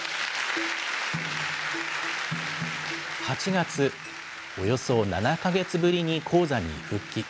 ８月、およそ７か月ぶりに高座に復帰。